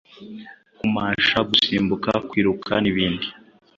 kumasha, gusimbuka, kwiruka n’ibindi ,